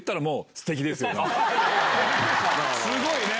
すごいね！